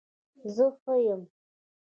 زه ښه يم